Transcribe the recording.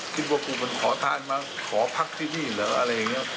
กูมันขอทานมาขอพักที่นี่เหรออะไรอย่างนี้